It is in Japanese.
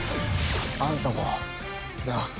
あんたもな。